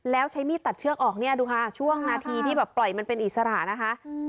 แล้วใช้มีดตัดเชือกออกเนี่ยดูค่ะช่วงนาทีที่แบบปล่อยมันเป็นอิสระนะคะ